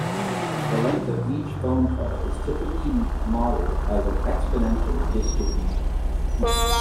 The length of each phone call is typically modelled as an exponential distribution.